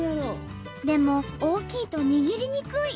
でも大きいと握りにくい。